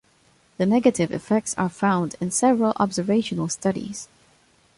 The negative effects are found in several observational studies.